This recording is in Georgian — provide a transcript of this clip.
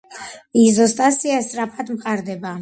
იზოსტაზია სწრაფად მყარდება.